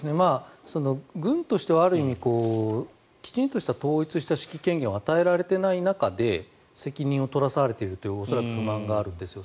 軍としては、ある意味きちんとした統一した指揮権限を与えられていない中で責任を取らされているという不満が恐らくあるんですよ。